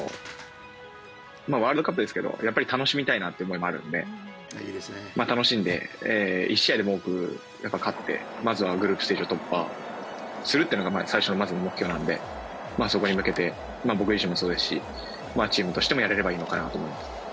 ワールドカップですけどやっぱり楽しみたいなという思いもあるので楽しんで１試合でも多く勝ってまずはグループステージを突破するというのが最初のまずは目標なのでそこに向けて僕自身もそうですしチームとしてもやれればいいのかなと思います。